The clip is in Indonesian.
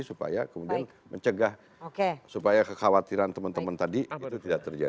supaya kemudian mencegah supaya kekhawatiran teman teman tadi itu tidak terjadi